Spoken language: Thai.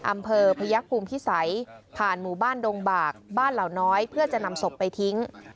อำเภอพยักษ์ภูมิพิสัยผ่านหมู่บ้านดงบากบ้านเหล่าน้อยเพื่อจะนำศพไปทิ้ง